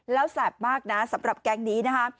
แล้วแสบมากนะสำหรับแก๊งนี้นะคะ